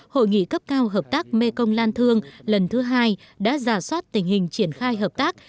hội nghị cấp cao hợp tác mekong lan thương lần thứ hai đã giả soát tình hình triển khai hợp tác